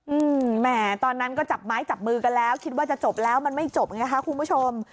อืมแหมตอนนั้นก็จับไม้จับมือกันแล้วคิดว่าจะจบแล้วมันไม่จบไงคะคุณผู้ชม